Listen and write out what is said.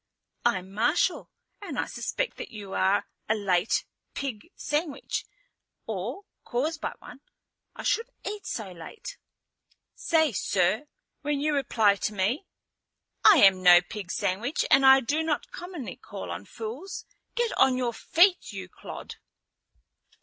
"I'm Marshal, and I suspect that you are a late pig sandwich, or caused by one. I shouldn't eat so late." "Say 'sir' when you reply to me. I am no pig sandwich and I do not commonly call on fools. Get on your feet, you clod."